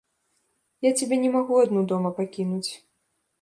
Я цябе не магу адну дома пакінуць.